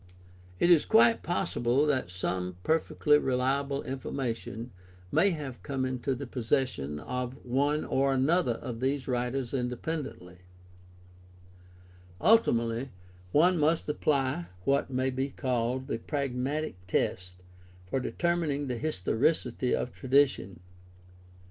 It is quite possible that some perfectly reliable information may 26o GUIDE TO STUDY OF CHRISTIAN RELIGION have come into the possession of one or another of these writers independently. Ultimately one must apply what may be called the prag matic test for determining the historicity of tradition.